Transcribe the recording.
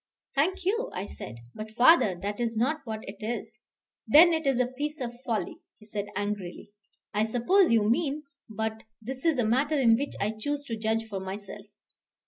"Thank you," I said; "but, father, that is not what it is." "Then it is a piece of folly," he said angrily. "I suppose you mean but this is a matter in which I choose to judge for myself."